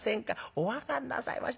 お上がんなさいまし。